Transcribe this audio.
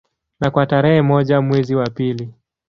Na kwa tarehe moja mwezi wa pili